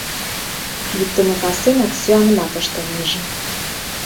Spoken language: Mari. Йӱктымӧ кастенак сӱанымат ыштынеже.